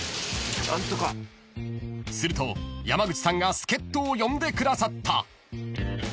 ［すると山口さんが助っ人を呼んでくださった］